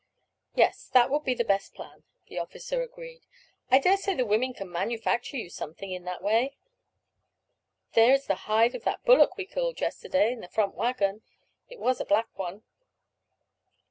"Yes, that would be the best plan," the officer agreed. "I dare say the women can manufacture you something in that way. There is the hide of that bullock we killed yesterday, in the front waggon; it was a black one."